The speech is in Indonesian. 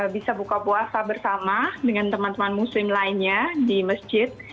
bisa buka puasa bersama dengan teman teman muslim lainnya di masjid